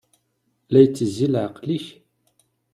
La itezzi leɛqel-ik?